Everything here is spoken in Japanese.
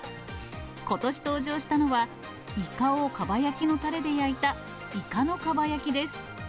ことし登場したのは、イカをかば焼きのたれで焼いた、イカのかば焼きです。